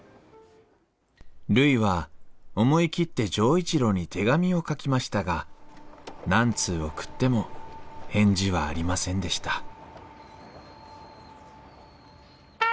るいは思い切って錠一郎に手紙を書きましたが何通送っても返事はありませんでした